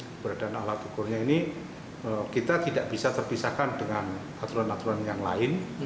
keberadaan alat ukurnya ini kita tidak bisa terpisahkan dengan aturan aturan yang lain